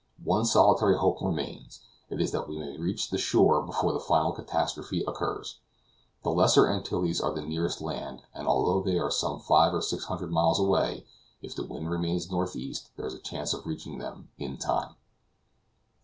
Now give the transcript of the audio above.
One solitary hope remains; it is that we may reach the shore before the final catastrophe occurs. The Lesser Antilles are the nearest land; and although they are some five or six hundred miles away, if the wind remains northeast there is yet a chance of reaching them in time.